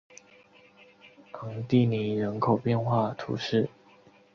昂蒂尼人口变化图示